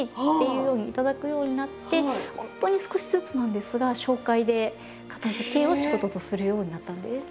いうように頂くようになって本当に少しずつなんですが紹介で片づけを仕事とするようになったんです。